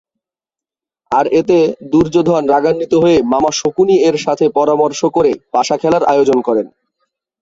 আর এতে দুর্যোধন রাগান্বিত হয়ে মামা শকুনি-এর সাথে পরামর্শ করে পাশা খেলার আয়োজন করেন।